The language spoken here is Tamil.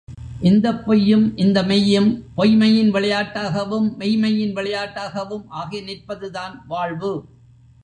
இந்தப் பொய்யும் இந்த மெய்யும் பொய்ம்மையின் விளையாட்டாகவும், மெய்ம்மையின் விளையாட்டாகவும் ஆகி நிற்பதுதான் வாழ்வு.